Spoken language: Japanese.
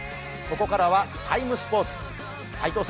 ここからは「ＴＩＭＥ，スポーツ」。